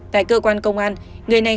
tại cơ quan công an người này